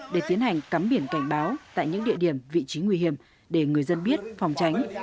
để tiến hành cắm biển cảnh báo tại những địa điểm vị trí nguy hiểm để người dân biết phòng tránh